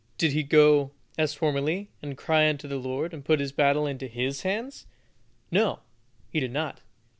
Did he go, as formerly, and cry unto the Lord, and put his battle into His hands? No, he did not.